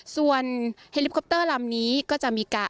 ส่วนเฮลิคอปเตอร์ลำนี้ก็จะมีการ